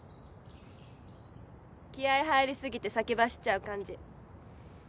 気合入り過ぎて先走っちゃう感じ